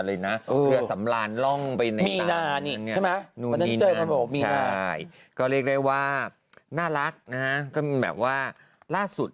เรือสำราญร่องไปในต่างต่าง